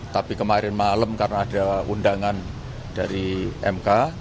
tapi kemarin malam karena ada undangan dari mk